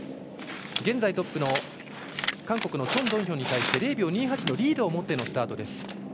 現在トップの韓国のチョン・ドンヒョンに対して０秒２８のリードを持ってのスタートです。